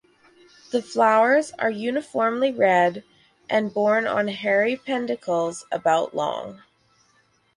The flowers are uniformly red and borne on hairy pedicels about long.